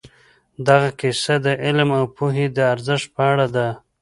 دغه کیسه د علم او پوهې د ارزښت په اړه ده.